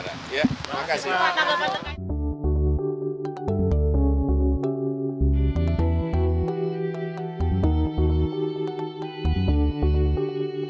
gantinya nanti kalau sudah ada resminya baru saya bicara